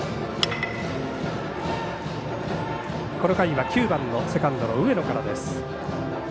この回は９番のセカンドの上野からです。